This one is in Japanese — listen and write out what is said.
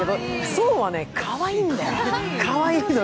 ソーはかわいいんだよ。